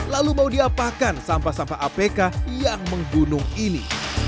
lalu mau diapakan sampah sampah apk yang menggunung ini